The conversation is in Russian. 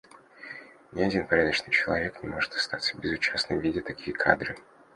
Ни один порядочный человек не может оставаться безучастным, видя такие кадры.